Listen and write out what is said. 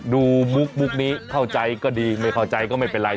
มุกนี้เข้าใจก็ดีไม่เข้าใจก็ไม่เป็นไร